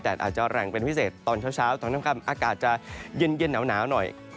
แต่อาจจะแรงเป็นพิเศษตอนเช้าตอนค่ำอากาศจะเย็นหนาวหน่อย